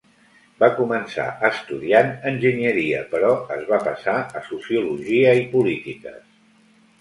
Va començar estudiant enginyeria però es va passar a sociologia i polítiques.